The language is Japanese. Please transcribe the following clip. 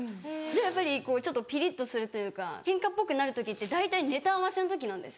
やっぱりピリっとするというかケンカっぽくなる時って大体ネタ合わせの時なんです。